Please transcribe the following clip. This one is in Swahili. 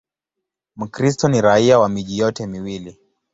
Mkristo ni raia wa miji yote miwili.